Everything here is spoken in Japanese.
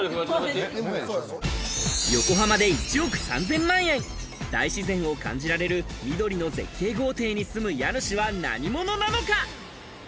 横浜で１億３０００万円、大自然を感じられる緑の絶景豪邸に住む家主は何者なのか？